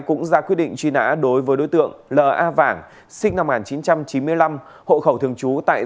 cũng ra quyết định truy nã đối với đối tượng l a vảng sinh năm một nghìn chín trăm chín mươi năm